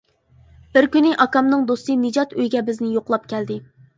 بىر كۈنى ئاكامنىڭ دوستى نىجات ئۆيگە بىزنى يوقلاپ كەلدى.